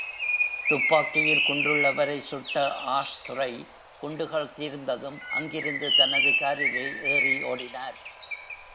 துப்பாக்கியில் குண்டுள்ள வரை சுட்ட ஆஷ் துரை, குண்டுகள் தீர்ந்ததும் அங்கிருந்து தனது காரிலே ஏறி ஓடினார்.